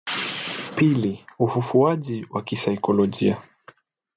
Pili: Ufufuaji wa kisaikolojia